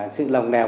sự lòng đèo